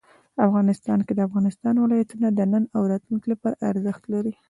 افغانستان کې د افغانستان ولايتونه د نن او راتلونکي لپاره ارزښت لري.